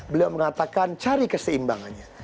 beliau mengatakan cari keseimbangannya